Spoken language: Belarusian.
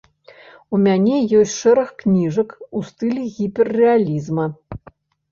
У мяне ёсць шэраг кніжак у стылі гіперрэалізма.